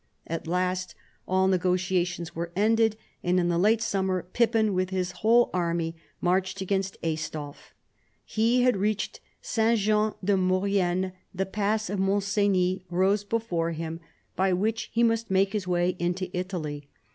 At last all negotiations were ended, and in the late summer Pippin with his whole army marched against Aistulf. He had reached S. Jean de Mau rienne : the pass of Mont Cenis rose before him, by which he must make his way into Italy.